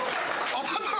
当たったの？